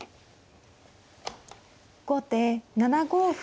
後手７五歩。